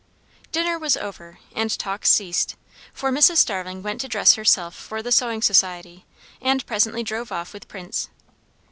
Dinner was over, and talk ceased, for Mrs. Starling went to dress herself for the sewing society, and presently drove off with Prince.